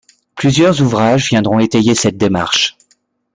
Plusieurs ouvrages viendront étayer cette démarche.